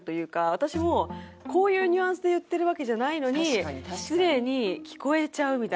私もこういうニュアンスで言ってるわけじゃないのに失礼に聞こえちゃうみたいな。